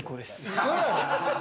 ウソやん！